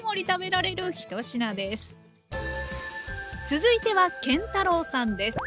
続いては建太郎さんです！